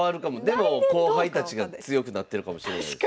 でも後輩たちが強くなってるかもしれないですよね。